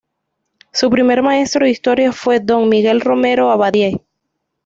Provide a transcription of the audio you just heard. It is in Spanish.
Su primer maestro de Historia fue don Miguel Romero Abadie.